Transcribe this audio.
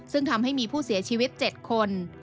ซึ่งทำให้มีผู้เสียชีวิต๗คน